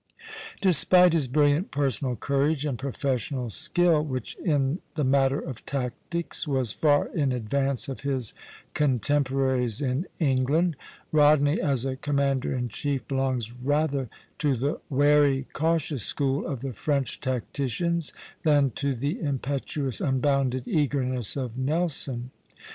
Despite his brilliant personal courage and professional skill, which in the matter of tactics was far in advance of his contemporaries in England, Rodney, as a commander in chief, belongs rather to the wary, cautious school of the French tacticians than to the impetuous, unbounded eagerness of Nelson.